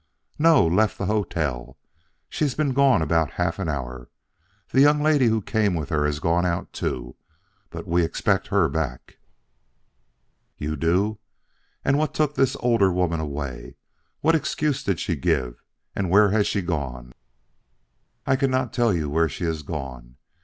"No, left the hotel. She's been gone about half an hour. The young lady who came with her has gone out too, but we expect her back." "You do. And what took the older woman away? What excuse did she give, and where has she gone?" "I cannot tell you where she has gone.